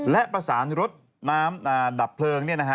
และประสานรถน้ำดับเพลิงเนี่ยนะฮะ